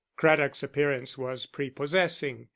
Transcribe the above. Craddock's appearance was prepossessing.